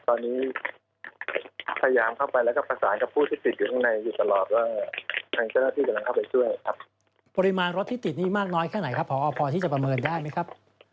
ตอนนี้พยายามเข้าไปแล้วก็ประสานกับผู้ที่ติดอยู่ข้างในอยู่ตลอดว่าทางเจ้าหน้าที่กำลังเข้าไปช่วยครับ